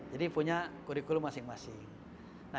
jadi punya kurikulum masing masing